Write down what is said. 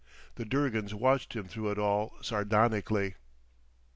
The Durgans watched him through it all, sardonically.